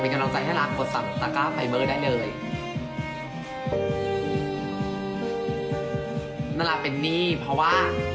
เป็นกำลังใจให้หลังกดตั๊กก้าไฟเมอร์ได้เลยนาลาเป็นหนี้เพราะว่า